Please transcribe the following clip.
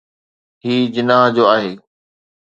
هي جناح جو آهي.